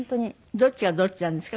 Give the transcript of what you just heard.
どっちがどっちなんですか？